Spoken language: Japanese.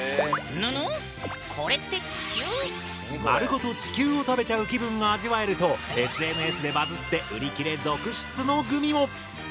ぬぬこれって丸ごと地球を食べちゃう気分が味わえるとＳＮＳでバズって売り切れ続出のグミも！